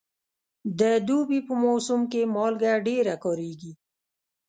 د دوبي په موسم کې مالګه ډېره کارېږي.